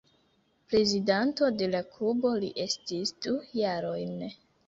Prezidanto de la klubo li estis du jarojn.